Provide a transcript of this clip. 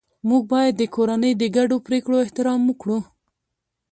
موږ باید د کورنۍ د ګډو پریکړو احترام وکړو